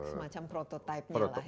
semacam prototipe nya lah